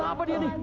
kenapa dia ini